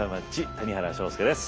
谷原章介です。